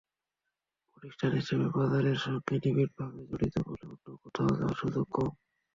প্রতিষ্ঠান হিসেবে বাজারের সঙ্গে নিবিড়ভাবে জড়িত বলে অন্য কোথাও যাওয়ার সুযোগ কম।